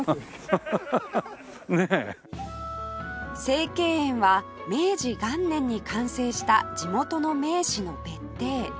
星溪園は明治元年に完成した地元の名士の別邸